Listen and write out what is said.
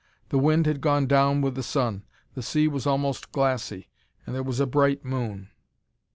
The wind had gone down with the sun; the sea was almost glassy, and there was a bright moon.